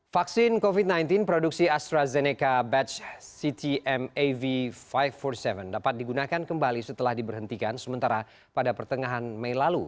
vaksin covid sembilan belas produksi astrazeneca batch ctmav lima empat puluh tujuh dapat digunakan kembali setelah diberhentikan sementara pada pertengahan mei lalu